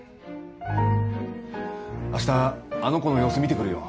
あしたあの子の様子見てくるよ。